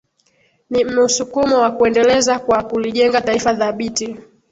ni musukumo wa kuendeleza kwa kulijenga taifa dhabiti